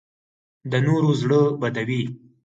د نورو زړه بدوي